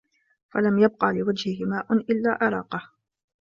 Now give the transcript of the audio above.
فَلَمْ يَبْقَ لِوَجْهِهِ مَاءٌ إلَّا أَرَاقَهُ